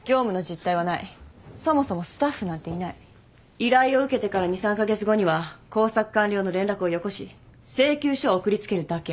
依頼を受けてから２３カ月後には工作完了の連絡をよこし請求書を送りつけるだけ。